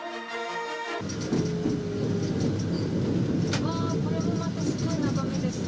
うわーこれもまたすごい眺めですね。